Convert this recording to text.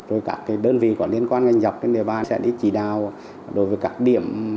rồi các đơn vị có liên quan ngành dọc trên địa bàn sẽ đi chỉ đào đối với các điểm